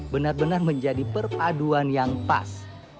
benar benar menjadi perpaduan yang pas